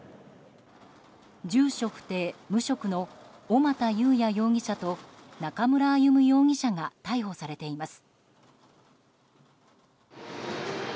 住所不定・無職の小俣裕哉容疑者と中村歩武容疑者が逮捕されています。